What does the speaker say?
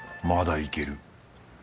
まだいける。